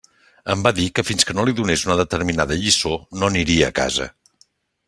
Em va dir que fins que no li donés una determinada lliçó no aniria a casa.